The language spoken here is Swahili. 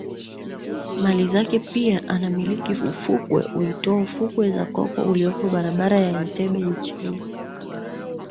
mali zake pia anamiliki ufukwe uitwao fukwe za Coco uliopo Barabara ya Entebbe nchini